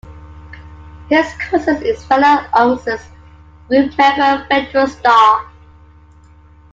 His cousin is fellow Onyx group member Fredro Starr.